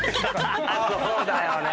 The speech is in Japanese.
そうだよね。